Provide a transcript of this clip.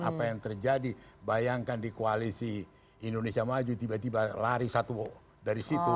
apa yang terjadi bayangkan di koalisi indonesia maju tiba tiba lari satu dari situ